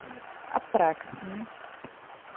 Apraksin.